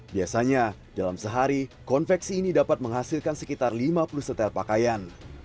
biasanya dalam sehari konveksi ini dapat menghasilkan sekitar lima puluh setel pakaian